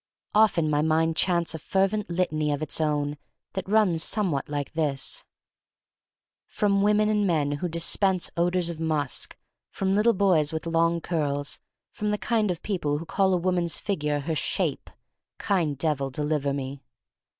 Often my mind chants a fervent litany of its own that runs somewhat like this: From women and men who dispense odors of musk; from little boys with long curls; from the kind of people who call a woman's figure her "shape": Kind Devil, deliver me.